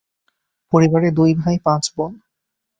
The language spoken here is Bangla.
পরিবারে দুই ভাই, পাঁচ বোন।